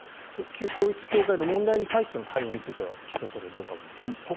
旧統一教会の問題に対しての対応については岸田総理はどう考えているんですか。